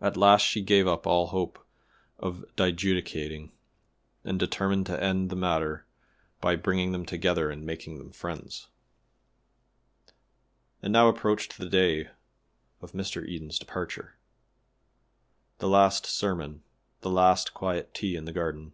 At last she gave up all hope of dijudicating, and determined to end the matter by bringing them together and making them friends. And now approached the day of Mr. Eden's departure. The last sermon the last quiet tea in the garden.